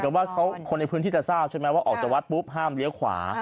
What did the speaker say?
คือเหมือนกับคนในพื้นที่จะทราบใช่ไหมว่าอับจะวัดปุ๊บห้ามเลี้ยวขวา